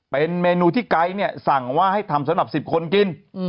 เป็นเมนูที่ไก๊เนี่ยสั่งว่าให้ทำสำหรับ๑๐คนกิน